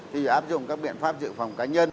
thế rồi áp dụng các biện pháp dự phòng cá nhân